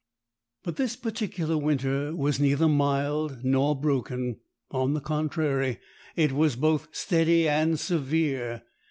But this particular winter was neither mild nor broken; on the contrary, it was both steady and severe.